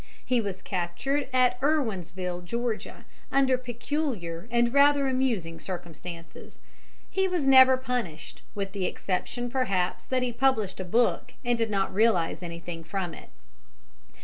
He was captured at Irwinsville, Georgia, under peculiar and rather amusing circumstances. He was never punished, with the exception perhaps that he published a book and did not realize anything from it.